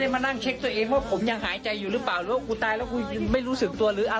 เพราะฉะนั้นผมยังไปงานได้ปกตินะครับเจ้าภาพครับ